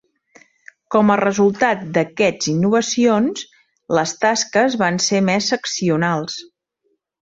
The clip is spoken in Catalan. Com a resultat d"aquests innovacions, les tasques van ser més seccionals.